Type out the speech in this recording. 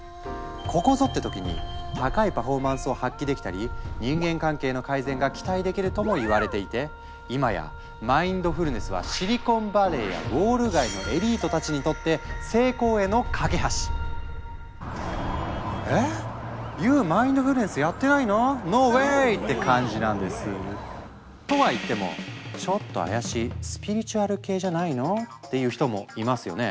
「ここぞ！」って時に高いパフォーマンスを発揮できたり人間関係の改善が期待できるともいわれていて今や「マインドフルネス」はシリコンバレーやウォール街のエリートたちにとってえ⁉ＹＯＵマインドフルネスやってないの⁉ＮＯＷＡＹって感じなんです。とは言っても「ちょっと怪しいスピリチュアル系じゃないの？」っていう人もいますよね？